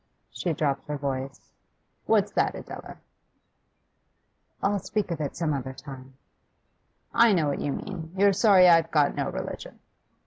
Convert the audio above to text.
She dropped her voice. 'What's that, Adela?' 'I'll speak of it some other time.' 'I know what you mean. You're sorry I've got no religion.